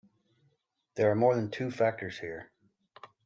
There are more than two factors here.